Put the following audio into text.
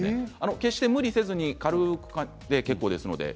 決して無理せずに軽くで結構です。